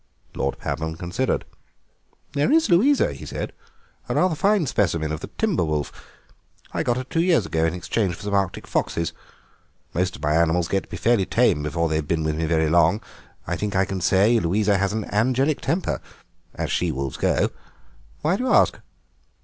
Lord Pabham considered. "There is Louisa," he said, "a rather fine specimen of the timber wolf. I got her two years ago in exchange for some Arctic foxes. Most of my animals get to be fairly tame before they've been with me very long; I think I can say Louisa has an angelic temper, as she wolves go. Why do you ask?"